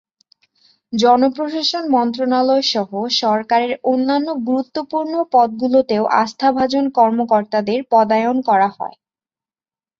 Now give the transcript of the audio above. জনপ্রশাসন মন্ত্রণালয়সহ সরকারের অন্যান্য গুরুত্বপূর্ণ পদগুলোতেও আস্থাভাজন কর্মকর্তাদের পদায়ন করা হয়।